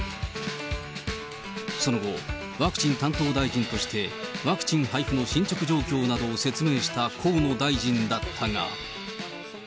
その後、ワクチン担当大臣としてワクチン配布の進捗状況などを説明した河野大臣だったが。